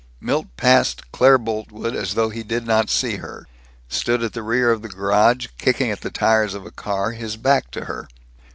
Milt passed Claire Boltwood as though he did not see her; stood at the rear of the garage kicking at the tires of a car, his back to her.